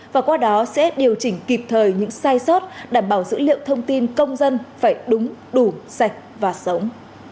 và qua đó sẽ điều chỉnh kịp thời những sai sót đảm bảo dữ liệu thông tin công dân phải đúng đủ sạch và sống